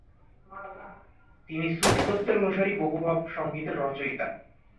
তিনি সুফি তত্ত্বের অনুসারী বহু ভাব সংগীতের রচয়িতা।